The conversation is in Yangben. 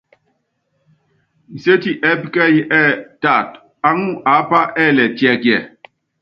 Nsétí ɛ́ɛ́pí kɛ́ɛ́yí ɛ́ɛ́: Taat aŋú aápa ɛɛlɛ tiɛkíɛ?